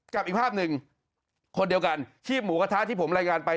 กลับอีกภาพหนึ่งคนเดียวกันชีพหมูกาธ้าที่ผมไลน์การไป